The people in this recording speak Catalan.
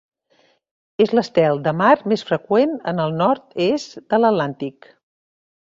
És l'estel de mar més freqüent en el nord-est de l'Atlàntic.